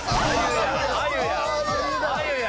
あゆや。